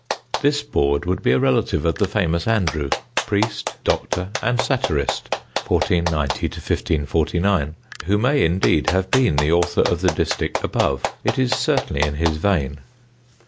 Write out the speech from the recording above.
This Boord would be a relative of the famous Andrew, priest, doctor and satirist (1490 1549) who may indeed have been the author of the distich above. It is certainly in his vein.